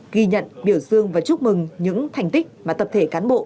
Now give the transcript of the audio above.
ghi nhận biểu dương và chúc mừng những thành tích mà tập thể cán bộ